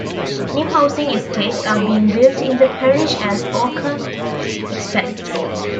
New housing estates are being built in the parish as Oakham expands.